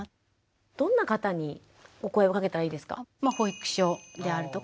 どんな方にお声をかけたらいいですか？